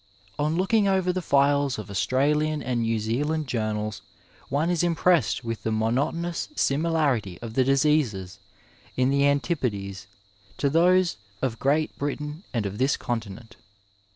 On looking over the files of Ausfaralian and New Zealand journals, one is impressed with the mono tonous similarity of the diseases in the antipodes to thoee of Great Britain and of this continent.